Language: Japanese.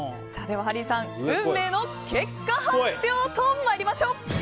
では、ハリーさん運命の結果発表と参りましょう。